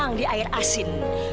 aku bisa berjalan bj